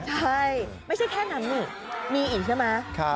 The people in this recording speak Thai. ใช่ไม่ใช่แค่นั้นนี่มีอีกใช่ไหม